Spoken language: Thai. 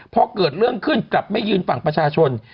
พอเกิดเรื่องขึ้นกลับไม่ยืนฝั่งประชาชน